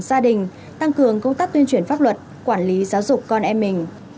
gia đình tăng cường công tác tuyên truyền pháp luật quản lý giáo dục con em mình